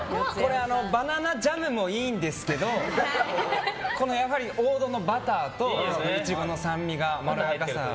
バナナジャムもいいんですけどやはり王道のバターとイチゴの酸味がまろやかさ。